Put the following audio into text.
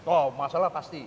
oh masalah pasti